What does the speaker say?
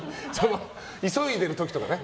急いでる時とかね。